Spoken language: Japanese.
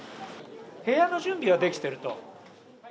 部屋の準備はできてると。